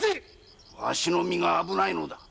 わしの身が危ないのだ。